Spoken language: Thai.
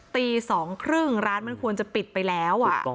ตี๒๓๐ร้านมันควรจะปิดไปแล้ว